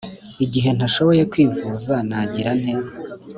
igihe ntashoboye kwivuza nagira nte?